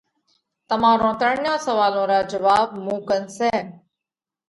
تمارون ترڻيون سوئالون را جواٻ مُون ڪنَ سئہ۔